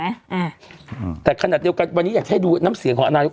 อ่าอืมแต่ขนาดเดียวกันวันนี้อยากให้ดูน้ำเสียงของอนาคต